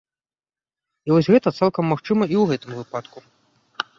І вось гэта цалкам магчыма і ў гэтым выпадку.